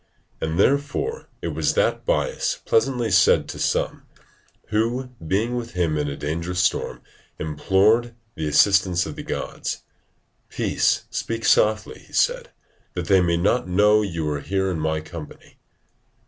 And therefore it was that Bias pleasantly said to some, who being with him in a dangerous storm implored the assistance of the gods: "Peace, speak softly," said he, "that they may not know you are here in my company."